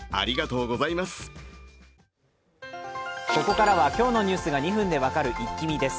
ここからは今日のニュースが２分で分かるイッキ見です。